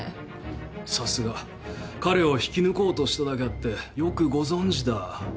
さすが彼を引き抜こうとしただけあってよくご存じだ。